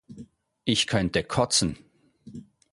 Ich könnte kotzen!